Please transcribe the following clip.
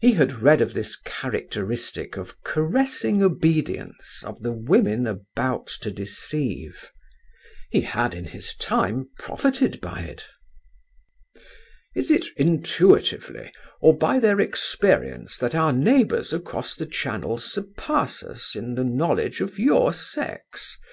He had read of this characteristic of caressing obedience of the women about to deceive. He had in his time profited by it. "Is it intuitively or by their experience that our neighbours across Channel surpass us in the knowledge of your sex?"